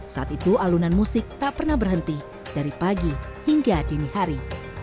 saat itu alunan musik tak pernah berhenti dari pagi hingga dini hari